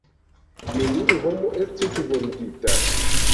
Neniu homo estis vundita.